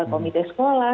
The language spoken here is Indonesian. untuk pemerintah sekolah